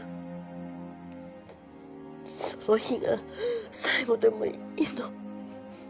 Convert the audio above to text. その日が最後でもいいの